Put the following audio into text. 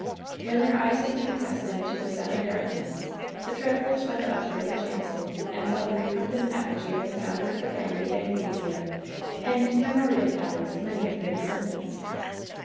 When their eyes became accustomed to the semidark ness, the travelers went up toward the chancel, and saw the recumbent eflSgy of the founder of the family of Anglesea, and memorial tablets of many of their de scendants.